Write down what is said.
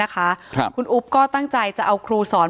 คุณอุ๊บก็ตั้งใจจะเอาครูสอน